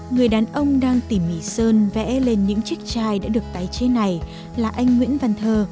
người đàn ông đang tỉ mỉ sơn vẽ lên những chiếc chai đã được tái chế này là anh nguyễn văn thơ